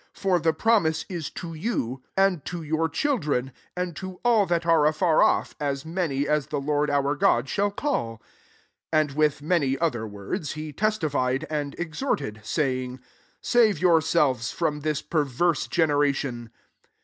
89 For the promise is to you, and to^ ACTS iir. ^3 your children ; and to all that are afar affy as many as the Lord our God shall ealL'* 40 And with many other words he testified and exhorted, saying, " Save yourselves from this perverse generation."